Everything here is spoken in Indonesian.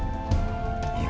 yang kau inginkan